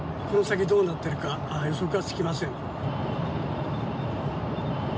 この先どうなっているか、予測がつきません。